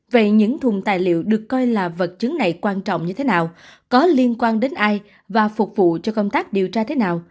vậy những thùng tài liệu được coi là vật chứng này quan trọng như thế nào có liên quan đến ai và phục vụ cho công tác điều tra thế nào